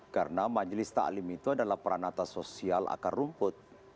karena majelis taklim itu adalah peranata sosial akar rumput